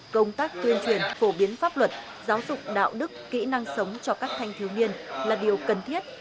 công tác tuyên truyền phổ biến pháp luật giáo dục đạo đức kỹ năng sống cho các thanh thiếu niên là điều cần thiết